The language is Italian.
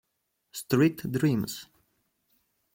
Street Dreams